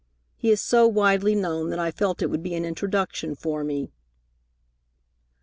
He is so widely known that I felt it would be an introduction for me."